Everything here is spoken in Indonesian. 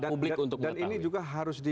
publik untuk mengetahui dan ini juga harus